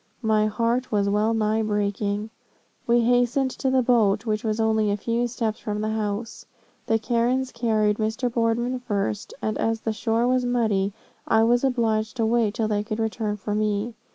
My heart was well nigh breaking. "We hastened to the boat, which was only a few steps from the house. The Karens carried Mr. Boardman first, and as the shore was muddy, I was obliged to wait till they could return for me.